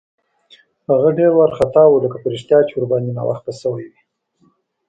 هغه ډېر وارخطا و، لکه په رښتیا چې ورباندې ناوخته شوی وي.